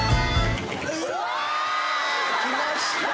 きました。